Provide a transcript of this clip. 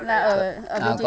ở phương trình nào